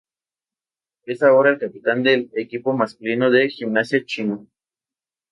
Es ahora el capitán del equipo masculino de gimnasia chino